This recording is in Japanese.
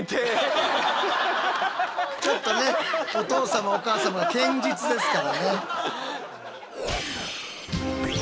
ちょっとねお父様お母様堅実ですからね。